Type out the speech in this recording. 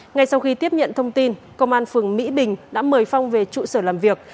ngay sau khi tiếp nhận thông tin công an phường mỹ bình đã mời phong về trụ sở làm việc